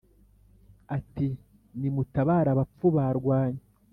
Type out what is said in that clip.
ati ni mutabare abapfu barwanye,